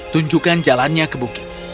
tunjukkan jalannya ke bukit